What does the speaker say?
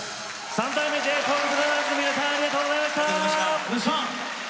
三代目ＪＳＯＵＬＢＲＯＴＨＥＲＳの皆さんありがとうございました。